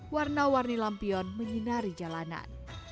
warna warni lampion menyinari jalanan